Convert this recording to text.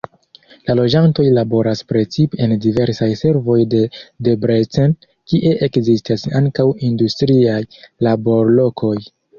La loĝantoj laboras precipe en diversaj servoj de Debrecen, kie ekzistas ankaŭ industriaj laborlokoj.